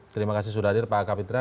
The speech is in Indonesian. terima kasih sudah hadir pak kapitra